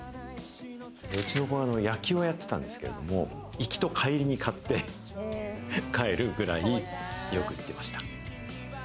うちの子が野球をやってたんですけども、行きと帰りに買って帰るくらい、よく行ってました。